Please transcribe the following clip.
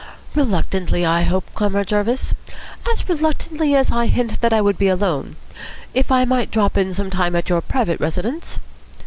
"Reluctantly, I hope, Comrade Jarvis. As reluctantly as I hint that I would be alone. If I might drop in some time at your private residence?"